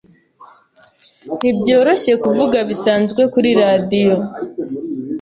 Ntibyoroshye kuvuga bisanzwe kuri radio.